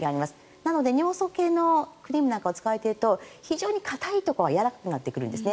なので尿素系のクリームを使われていると硬いところがやわらかくなってくるんですね。